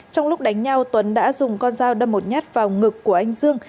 trong lúc đánh nhau tuấn đã dùng con dao đâm một nhát vào ngực của anh dương